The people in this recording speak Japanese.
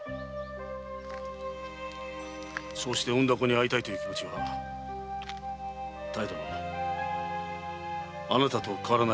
そうして産んだ子に会いたいという気持ちはお妙殿あなたと変わらないはずだ。